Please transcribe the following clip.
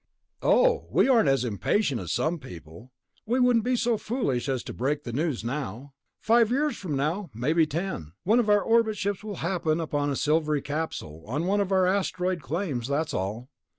"Oh, we aren't as impatient as some people. We wouldn't be so foolish as to break the news now. Five years from now, maybe ten years, one of our orbit ships will happen upon a silvery capsule on one of our asteroid claims, that's all.